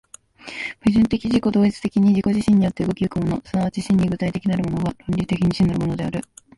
矛盾的自己同一的に自己自身によって動き行くもの、即ち真に具体的なるものが、論理的に真なるものである。